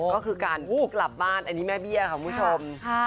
ก็คือการวู้กลับบ้านอันนี้แม่เบี้ยค่ะคุณผู้ชม